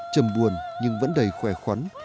chầm buồn nhưng vẫn đầy khỏe khoắn